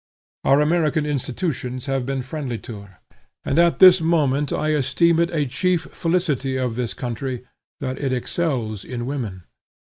Our American institutions have been friendly to her, and at this moment I esteem it a chief felicity of this country, that it excels in women.